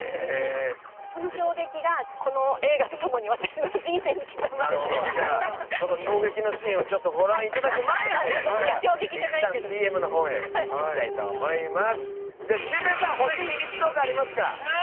その衝撃がこの映画と共に私の人生にその衝撃のシーンをご覧いただく前にいったんＣＭへいきたいと思います。